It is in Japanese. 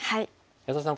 安田さん